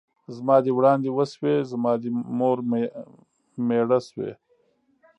ـ زما دې وړاندې وشوې ، زما دې مور مېړه شوې.